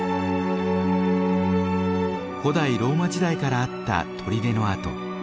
古代ローマ時代からあった砦の跡。